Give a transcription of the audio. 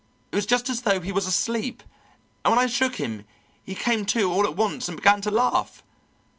It was just as though he was asleep, and when I shook him he came to all at once and began to laugh.